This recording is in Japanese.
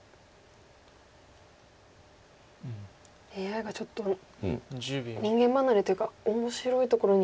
ＡＩがちょっと人間離れというか面白いところに。